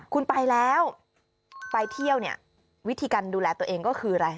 คุณไปแล้วไปเที่ยวเนี่ยวิธีการดูแลตัวเองก็คืออะไร